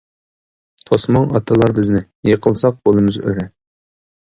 توسماڭ ئاتىلار بىزنى، يىقىلساق بولىمىز ئۆرە.